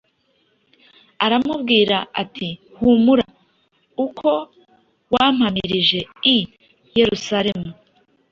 aramubwira ati: ‘Humura; uko wampamirije i Yerusalemu,